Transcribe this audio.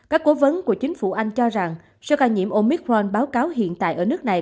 các cố vấn của chính phủ anh cho rằng sars cov hai báo cáo hiện tại ở nước này